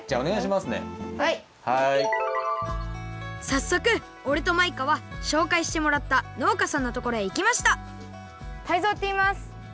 さっそくおれとマイカはしょうかいしてもらったのうかさんのところへいきましたタイゾウといいます。